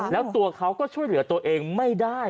แล้วตัวเขาก็ช่วยเหลือตัวเองไม่ได้